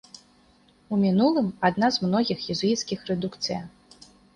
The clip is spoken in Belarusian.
У мінулым, адна з многіх езуіцкіх рэдукцыя.